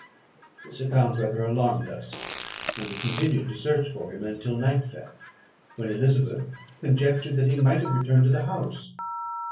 "This account rather alarmed us, and we continued to search for him until night fell, when Elizabeth conjectured that he might have returned to the house.